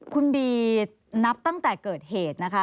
คุณบีนับตั้งแต่เกิดเหตุนะคะ